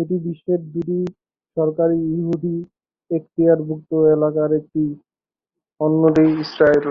এটি বিশ্বের দুটি সরকারী ইহুদি এক্তিয়ারভুক্ত এলাকার একটি, অন্যটি ইসরায়েল।